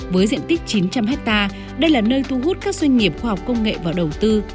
với diện tích chín trăm linh hectare đây là nơi thu hút các doanh nghiệp khoa học công nghệ vào đầu tư